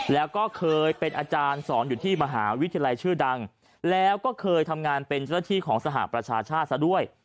แล้วก็เคยเป็นอาจารย์สอนอยู่ที่มหาวิทยาลัยชื่อดังแล้วก็เคยทำงานเป็นเจ้าที่ของสหประชาชาติซะด้วย